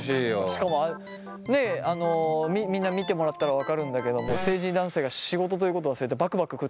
しかもねっみんな見てもらったら分かるんだけども成人男性が仕事ということを忘れてバクバク食ってますから。